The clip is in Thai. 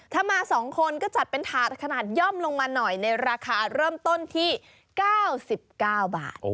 ถ้ามา๒คนก็จัดเป็นถาดขนาดย่อมลงมาหน่อยในราคาเริ่มต้นที่๙๙บาท